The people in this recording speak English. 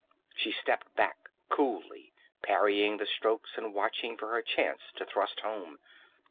She stepped back coolly, parrying the strokes and watching for her chance to thrust home.